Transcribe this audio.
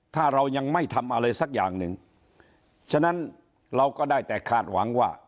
ถ้าเรายังไม่ทำอะไรสักอย่างหนึ่งฉะนั้นเราก็ได้แต่คาดหวังว่า